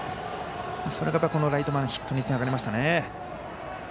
それが、ライト前のヒットにつながりましたね。